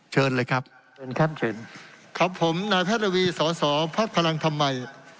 เชิญเลยครับเชิญครับเชิญครับผมนายแพทย์ระวีสอสอพักพลังธรรมัย